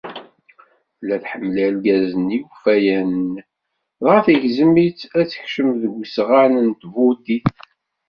Tella tḥemmel irgazen iwfayenen, dɣa tegzem-itt ad tekcem deg usɣan n tbudit.